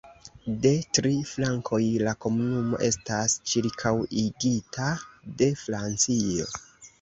De tri flankoj la komunumo estas ĉirkaŭigita de Francio.